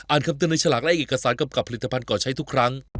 คำเตือนในฉลากและเอกสารกำกับผลิตภัณฑ์ก่อใช้ทุกครั้ง